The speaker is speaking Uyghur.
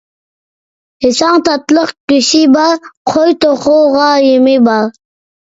يېسەڭ تاتلىق «گۆشى»بار، قوي، توخۇغا «يېمى» بار.